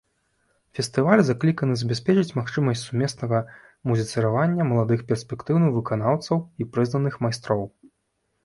Фестываль закліканы забяспечыць магчымасць сумеснага музіцыравання маладых перспектыўных выканаўцаў і прызнаных майстроў.